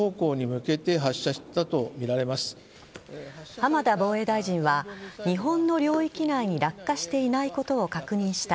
浜田防衛大臣は日本の領域内に落下していないことを確認した。